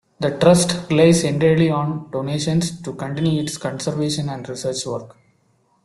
The Trust relies entirely on donations to continue its conservation and research work.